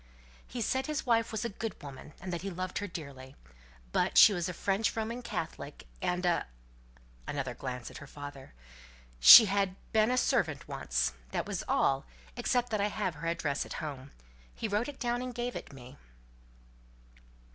"He said his wife was a good woman, and that he loved her dearly; but she was a French Roman Catholic, and a" another glance at her father "she had been a servant once. That was all; except that I have her address at home. He wrote it down and gave it me."